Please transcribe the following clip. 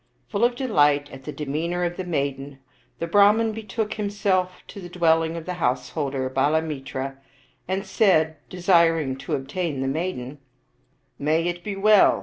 Full of delight at the demeanor of the maiden, the Brahman betook himself to the dwelling of the householder Balamitra and said, desiring to obtain the maiden :" May it be well